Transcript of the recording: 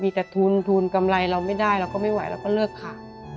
มีแต่ทุนทุนกำไรเราไม่ได้เราก็ไม่ไหวเราก็เลิกขาย